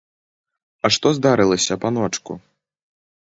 А што здарылася, паночку?